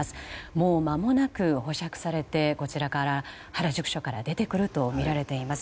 もうまもなく保釈されて原宿署から出てくるとみられています。